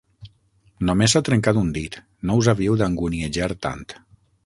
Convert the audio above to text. Només s'ha trencat un dit: no us havíeu d'anguniejar tant.